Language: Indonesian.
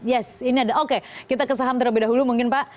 yes ini ada oke kita ke saham terlebih dahulu mungkin pak